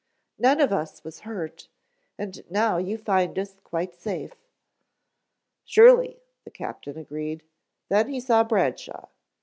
None of us was hurt, and now you find us quite safe." "Surely," the captain agreed, then he saw Bradshaw.